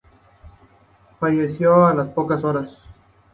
Falleció a las pocas horas.